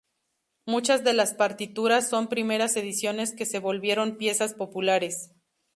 Muchas de las partituras son primeras ediciones que se volvieron piezas populares.